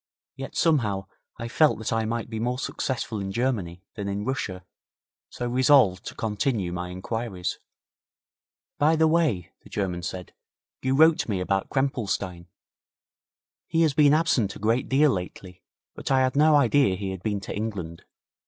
Yet somehow I felt that I might be more successful in Germany than in Russia, so resolved to continue my inquiries. 'By the way,' the German said, 'you wrote me about Krempelstein. He has been absent a great deal lately, but I had no idea he had been to England.